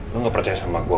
lo gak percaya sama gue